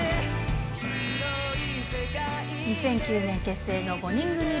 ２００９年結成の５人組